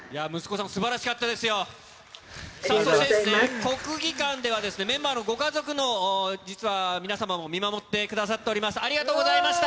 さあそして、国技館では、メンバーのご家族の、実は皆様も見守ってくださってました。